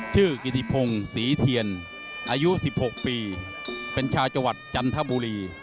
กิติพงศรีเทียนอายุ๑๖ปีเป็นชาวจังหวัดจันทบุรี